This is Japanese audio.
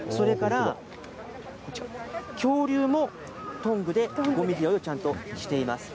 それから、恐竜もトングでごみ拾いをちゃんとしています。